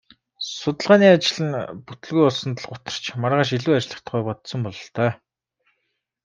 Судалгааны ажил нь бүтэлгүй болсонд л гутарч маргааш илүү ажиллах тухай бодсон бололтой.